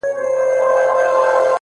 جلوه مخي په گودر دي اموخته کړم!